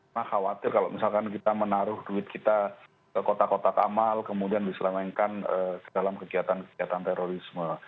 nah khawatir kalau misalkan kita menaruh duit kita ke kotak kotak amal kemudian diselewengkan ke dalam kegiatan kegiatan terorisme